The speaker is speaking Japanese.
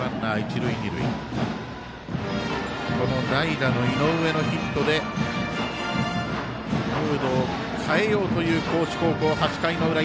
この代打の井上のヒットでムードを変えようという高知高校、８回の裏。